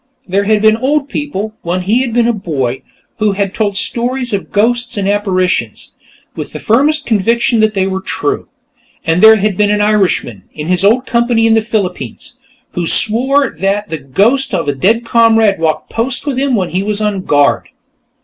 There had been old people, when he had been a boy, who had told stories of ghosts and apparitions, with the firmest conviction that they were true. And there had been an Irishman, in his old company in the Philippines, who swore that the ghost of a dead comrade walked post with him when he was on guard.